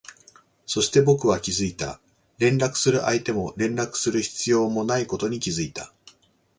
そして、僕は気づいた、連絡する相手も連絡する必要もないことに気づいた